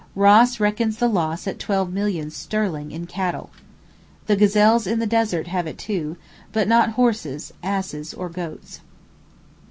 Ross reckons the loss at twelve millions sterling in cattle. The gazelles in the desert have it too, but not horses, asses or goats.